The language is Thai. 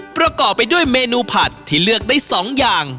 ประกอบไปด้วยเมนูผัดที่เลือกได้๒อย่าง